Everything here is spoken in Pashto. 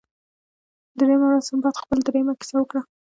دریمه ورځ سنباد خپله دریمه کیسه وکړه.